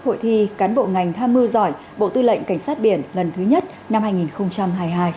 hội thi cán bộ ngành tham mưu giỏi bộ tư lệnh cảnh sát biển lần thứ nhất năm hai nghìn hai mươi hai